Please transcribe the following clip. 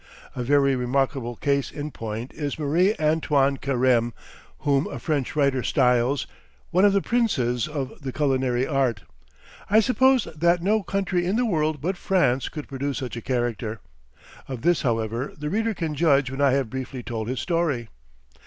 A very remarkable case in point is Marie Antoine Carème, whom a French writer styles, "one of the princes of the culinary art." I suppose that no country in the world but France could produce such a character. Of this, however, the reader can judge when I have briefly told his story.